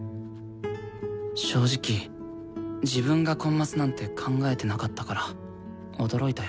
正直自分がコンマスなんて考えてなかったから驚いたよ。